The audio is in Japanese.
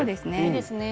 いいですね。